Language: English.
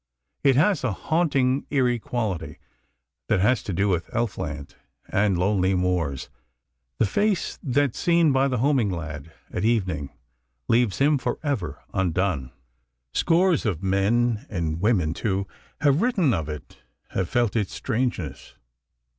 It has a haunting eerie quality that has to do with elfland, and lonely moors—the face that seen by the homing lad at evening leaves him forever undone. Scores of men and women, too, have written of it, have felt its strangeness.